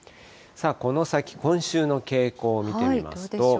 この先、今週の傾向を見てみますと。